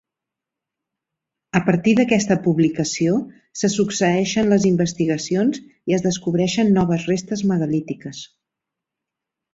A partir d'aquesta publicació, se succeeixen les investigacions i es descobreixen noves restes megalítiques.